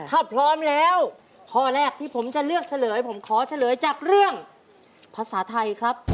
ถ้าพร้อมแล้วข้อแรกที่ผมจะเลือกเฉลยผมขอเฉลยจากเรื่องภาษาไทยครับ